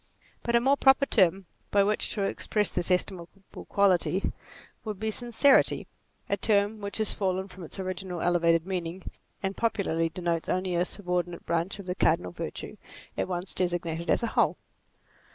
But a more proper term by which to express this estimable quality would be sincerity ; a term which has fallen from its original elevated meaning, and popularly de notes only a subordinate branch of the cardinal virtue it once designated as a whole.